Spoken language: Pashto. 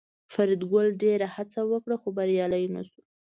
فریدګل ډېره هڅه وکړه خو بریالی نشو